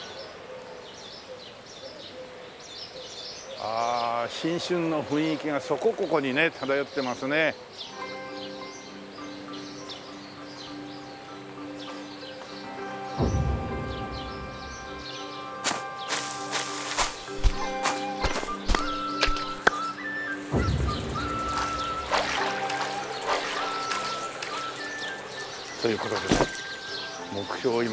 ああ新春の雰囲気がそこここにね漂ってますね。という事でね目標を今唱えました。